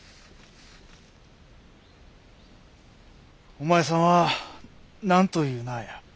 お前さんは何という名や？